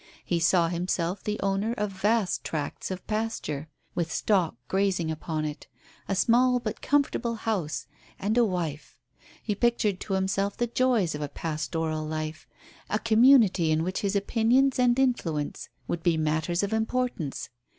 He saw himself the owner of vast tracts of pasture, with stock grazing upon it, a small but comfortable house, and a wife. He pictured to himself the joys of a pastoral life, a community in which his opinions and influence would be matters of importance.